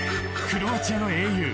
クロアチアの英雄